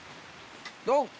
ドン！